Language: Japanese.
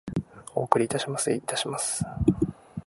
お送りいたします。いたします。